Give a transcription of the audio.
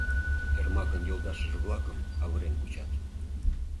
Эрмакын йолташыже-влакым авырен кучат.